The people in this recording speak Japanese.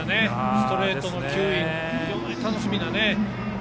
ストレートの球威も非常に楽しみなね。